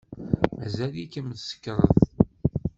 Mazal-ikem tsekṛed.